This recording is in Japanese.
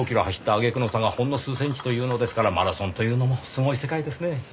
走ったあげくの差がほんの数センチというのですからマラソンというのもすごい世界ですね。